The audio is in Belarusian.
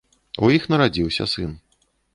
У іх нарадзіўся сын.